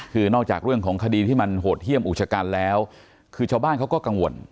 คือนอกจากเรื่องของคดีที่มันโหดเยี่ยมอุชกันแล้วคือชาวบ้านเขาก็กังวล